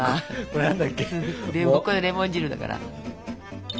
これレモン汁だから。